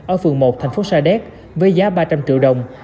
ở phường một thành phố sa đéc với giá ba trăm linh triệu đồng